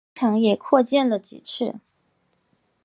工厂也扩建了几次。